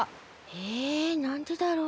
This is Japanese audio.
えなんでだろう？